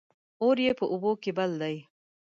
اور يې په اوبو کې بل دى